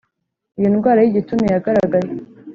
Iyo indwara y igituntu yagaragaye